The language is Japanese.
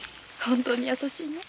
本当に優しいね。